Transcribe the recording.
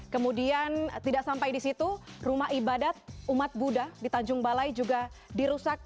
kemudian tidak sampai di situ rumah ibadat umat buddha di tanjung balai juga dirusak